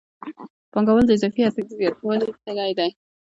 پانګوال د اضافي ارزښت د زیاتوالي تږی دی